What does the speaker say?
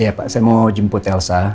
iya pak saya mau jemput elsa